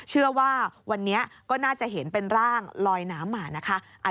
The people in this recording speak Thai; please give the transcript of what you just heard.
เชื่อว่าวันนี้ก็น่าจะเห็นเป็นร่างลอยน้ำมานะคะ